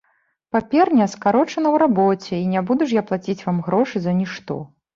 Паперня скарочана ў рабоце, і не буду ж я плаціць вам грошы за нішто.